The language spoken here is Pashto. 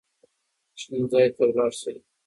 شین ځای ته لاړ شئ.